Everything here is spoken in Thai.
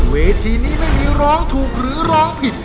เวทีนี้ไม่มีร้องถูกหรือร้องผิด